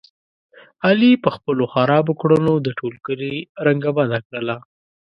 علي په خپلو خرابو کړنو د ټول کلي رنګه بده کړله.